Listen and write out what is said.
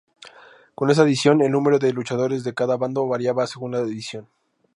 Con esta adición, el número de luchadores de cada bando variaba según la edición.